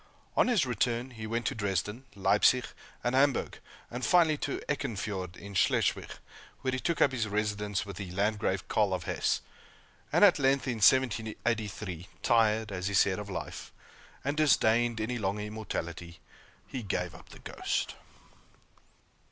On his return, he went to Dresden, Leipzig, and Hamburg, and finally to Eckernfiorde, in Schleswig, where he took up his residence with the Landgrave Karl of Hesse; and at length, in 1783, tired, as he said, of life, and disdaining any longer immortality, he gave up the ghost.